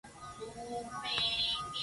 Ella es mitad tamil y bengalí.